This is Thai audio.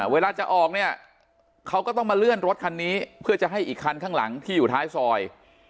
เวลาจะออกเนี่ยเขาก็ต้องมาเลื่อนรถคันนี้เพื่อจะให้อีกคันข้างหลังที่อยู่ท้ายซอย